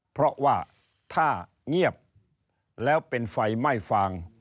เพราะว่าถ้าเงียบแล้วเป็นไฟไหม้ฟาง